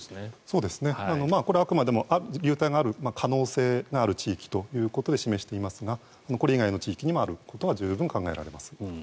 これはあくまでも流体がある可能性がある地域ということで示していますがこれ以外の地域にもあることは十分に考えられます。